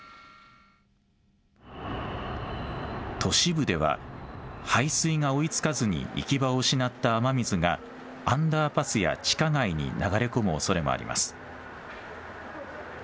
都市部では排水が追いつかずに行き場を失った雨水がアンダーパスや地下街に流れ込むおそれもあります。